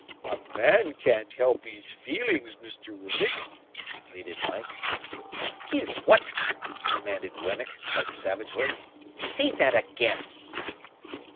"A man can't help his feelings, Mr. Wemmick," pleaded Mike. "His what?" demanded Wemmick, quite savagely. "Say that again!"